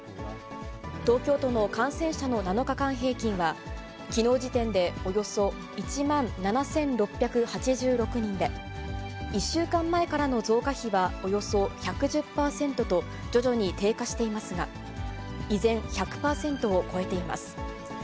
東京都の感染者の７日間平均は、きのう時点でおよそ１万７６８６人で、１週間前からの増加比はおよそ１１０％と、徐々に低下していますが、依然、１００％を超えています。